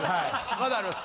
まだあります。